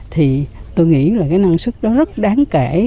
thì tôi nghĩ là cái năng suất đó rất đáng kể